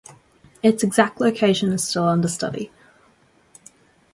Its exact location is still under study.